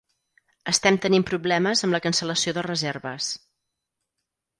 Estem tenint problemes amb la cancel·lació de reserves.